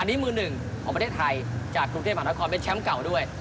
อันนี้มือหนึ่งของประเทศไทยจากกรุงเทพแผ่มหาวิทยาลัยธรรมย์หน้าคอร์มเป็นแชมป์เก่าด้วย